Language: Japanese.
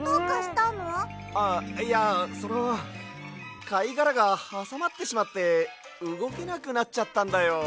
あっいやそのかいがらがはさまってしまってうごけなくなっちゃったんだよ。